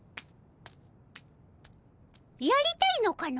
やりたいのかのっ。